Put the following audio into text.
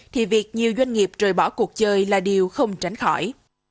thì việc nhiều doanh nghiệp rời bỏ cuộc chơi là điều không tránh khỏi